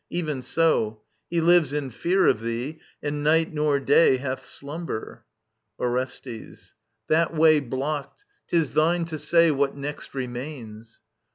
Even so : He lives in fear of thee, and night nor day Hath slumber. Orestes. That way blocked !— ^'Tis thine to say What next remains.